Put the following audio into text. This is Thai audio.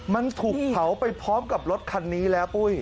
มันถูกเผาไปพร้อมกับรถคันนี้แล้วปุ้ย